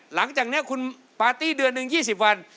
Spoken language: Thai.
หลังจากนี้คุณปาร์ตี้เดือนหนึ่ง๒๐วัน